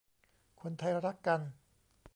คนไทยรักกัน